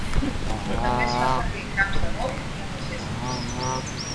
També es fa servir en camps de golf i en les gespes.